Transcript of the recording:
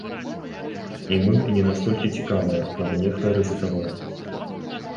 І мы не настолькі цікавыя, каб нехта рызыкаваў.